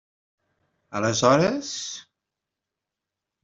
Aleshores?